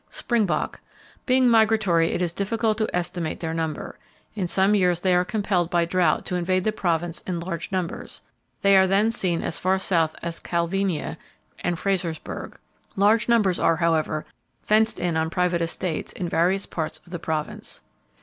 Springbok: Being migratory, it is difficult to estimate their number. In some years they are compelled by drought to invade the Province in large numbers. They are then seen as far south as Calvinia and Fraserburg. Large numbers are, however, fenced in on private estates in various parts of the Province.